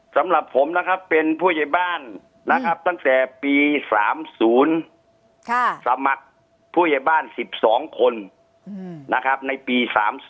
สำหรับผมนะครับเป็นผู้ใหญ่บ้านนะครับตั้งแต่ปี๓๐สมัครผู้ใหญ่บ้าน๑๒คนนะครับในปี๓๔